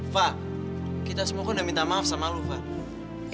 fah kita semua udah minta maaf sama lu fah